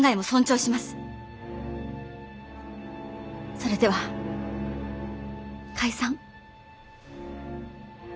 それでは解散。